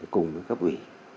cùng với cấp ủy